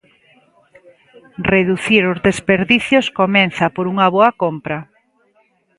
Reducir os desperdicios comeza por unha boa compra.